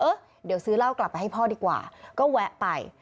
เออเดี๋ยวซื้อเหล้ากลับไปให้พ่อดีกว่าก็แวะไป